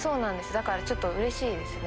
だからちょっとうれしいですね。